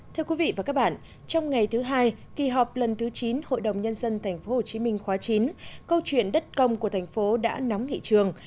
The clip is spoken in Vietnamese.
thưa quý vị và các bạn trong ngày thứ hai kỳ họp lần thứ chín hội đồng nhân dân tp hcm khóa chín câu chuyện đất công của thành phố đã nóng nghị trường